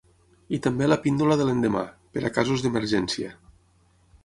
I també la píndola de l'endemà, per a casos d'emergència.